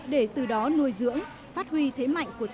để từ đó nuôi dưỡng phát huy thế mạnh của tỉnh